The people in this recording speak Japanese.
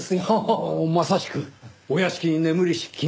おおまさしくお屋敷に眠りし金塊。